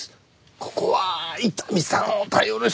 ここは伊丹さんを頼るしかないと。